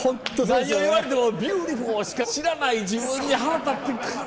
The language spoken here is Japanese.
何を言われても「ビューティフォー」しか知らない自分に腹立って。